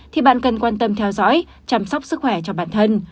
thì bạn cần quan tâm theo dõi chăm sóc sức khỏe cho bản thân